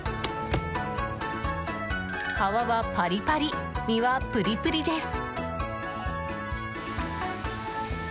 皮はパリパリ、身はぷりぷりです。